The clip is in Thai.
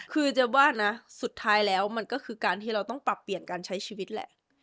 คือจะว่าสุดท้ายเป็นการที่เราต้องผลักเปลี่ยนการใช้ชีวิตแหละ